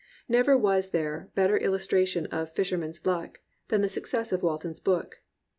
Never was there a better illustration of "fisher man's luck" than the success of Walton's book.